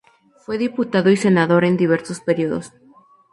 Fue diputado y senador en diversos períodos.